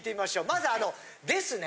まずあの「ですね